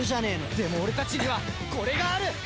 でも俺たちにはこれがある！